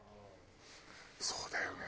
そうだよね。